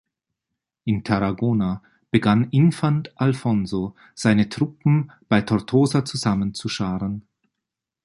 In Tarragona begann Infant Alfonso, seine Truppen bei Tortosa zusammenzuscharen.